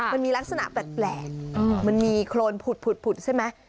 มันมีลักษณะแปลกมันมีโครนผุดใช่ไหม